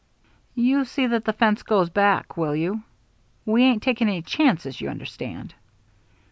"You see that the fence goes back, will you? We ain't taking any chances, you understand."